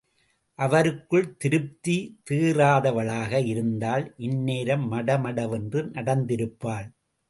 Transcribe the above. அவருக்குள் திருப்தி.... தேறாதவளாக இருந்தால், இந்நேரம், மடமடவென்று நடந்திருப்பாள்.